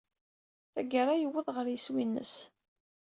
Tagara, yewweḍ ɣer yiswi-nnes.